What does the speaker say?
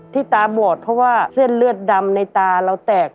ตาบอดเพราะว่าเส้นเลือดดำในตาเราแตก